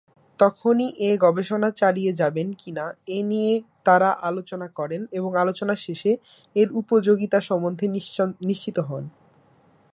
তখনই এ গবেষণা চালিয়ে যাবেন কি-না এ নিয়ে তারা আলোচনা করেন এবং আলোচনার শেষে এর উপযোগিতা সম্বন্ধে নিশ্চিত হন।